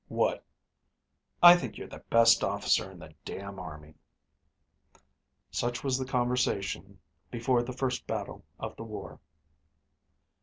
"What?" "I think you're the best officer in the damn army." Such was the conversation before the first battle of the war.